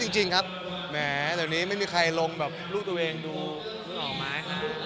จริงนะครับแหมโดยนี้ไม่มีใครลงแบบลูกตัวเองดูเมื่อออกมา